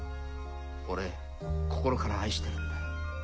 俺心から愛してるんだ。